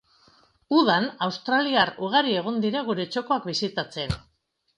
Udan australiar ugari egon dira gure txokoak bisitatzen.